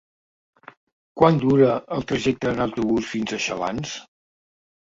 Quant dura el trajecte en autobús fins a Xalans?